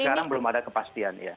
sekarang belum ada kepastian ya